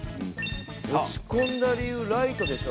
落ち込んだ理由ライトでしょ